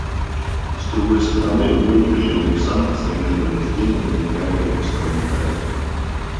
С другой стороны, мы не приемлем санкции и меры принуждения, принимаемые в одностороннем порядке.